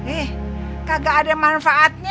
eh kagak ada manfaatnya